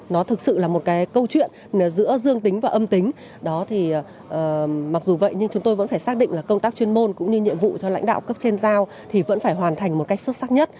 nó thực sự là một cái câu chuyện giữa dương tính và âm tính đó thì mặc dù vậy nhưng chúng tôi vẫn phải xác định là công tác chuyên môn cũng như nhiệm vụ cho lãnh đạo cấp trên giao thì vẫn phải hoàn thành một cách xuất sắc nhất